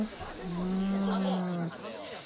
うん。